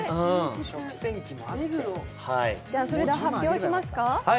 それでは発表しますか？